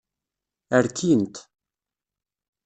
Rkin-t.